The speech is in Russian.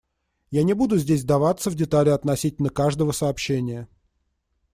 Я не буду здесь вдаваться в детали относительно каждого сообщения.